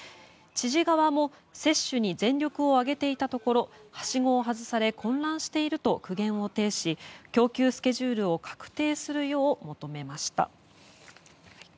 知事側も、接種に全力を挙げていたところはしごを外され混乱していると苦言を呈し供給スケジュールを確定するよう求めました。